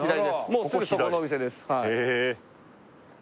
もうすぐそこのお店です